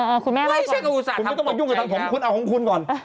เออคุณแม่อะไรก่อนคุณไม่ต้องมายุ่งกับของคุณเอาของคุณก่อน